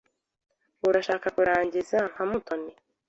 Urashaka kurangiza nka Mutoni?